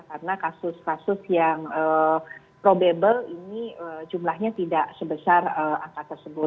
karena kasus kasus yang probable ini jumlahnya tidak sebesar angka tersebut